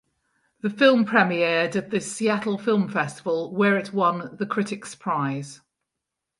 The film premiered at the "Seattle Film Festival" where it won the "Critics Prize".